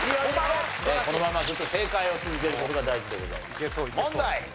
このままずっと正解を続ける事が大事でございます。